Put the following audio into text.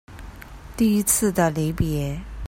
第一次的離別